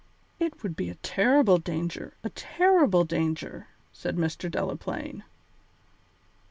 "It would be a terrible danger, a terrible danger," said Mr. Delaplaine.